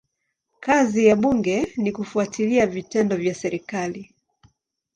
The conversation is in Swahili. Kazi ya bunge ni kufuatilia vitendo vya serikali.